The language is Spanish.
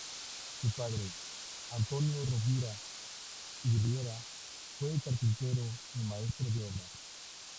Su padre, Antonio Rovira y Riera, fue carpintero y maestro de obras.